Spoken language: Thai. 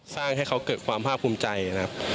สร้างให้เขาเกิดความภาคภูมิใจนะครับ